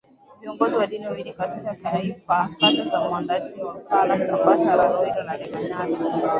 viongozi wa dini wawili kutoka kaika kata za Mwandeti Olkokola Sambasha Laroi na Lemanyata